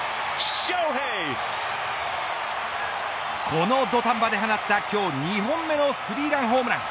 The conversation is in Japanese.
この土壇場で放った今日２本目のスリーランホームラン。